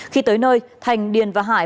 khi tới nơi thành điển và hải